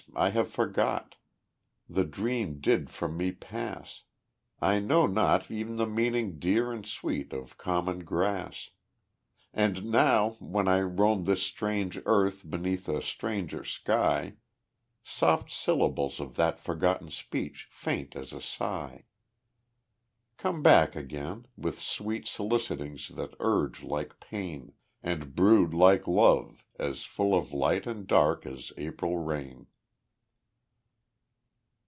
I have forgot. The dream did from me pass. I know not e'en the meaning dear and sweet Of common grass. And now when I Roam this strange earth beneath a stranger sky, Soft syllables of that forgotten speech Faint as a sigh, Come back again, With sweet solicitings that urge like pain, And brood like love as full of light and dark As April rain.